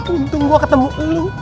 untung gue ketemu lo